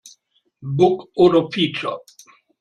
Bug oder Feature?